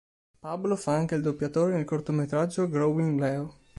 Pablo fa anche il doppiatore nel cortometraggio "Growing Leo".